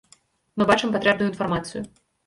Мы бачым патрэбную інфармацыю.